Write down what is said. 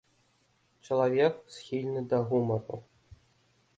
Чалавек, схільны да гумару.